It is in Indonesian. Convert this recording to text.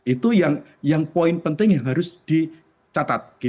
itu yang poin penting yang harus dicatat